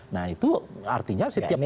nah itu artinya setiap